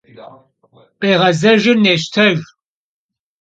Khiğezejjır neştejj!